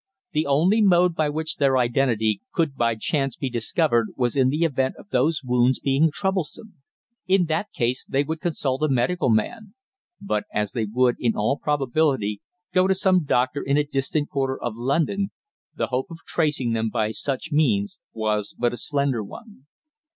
The only mode by which their identity could by chance be discovered was in the event of those wounds being troublesome. In that case they would consult a medical man; but as they would, in all probability, go to some doctor in a distant quarter of London, the hope of tracing them by such means was but a slender one.